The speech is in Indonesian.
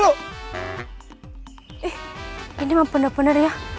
eh ini mah bener bener ya